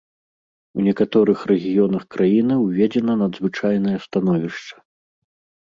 У некаторых рэгіёнах краіны ўведзена надзвычайнае становішча.